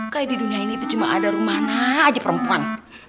kayak di dunia ini cuma ada romana aja perempuan